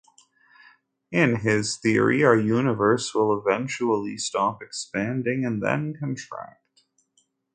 In his theory our Universe will eventually stop expanding and then contract.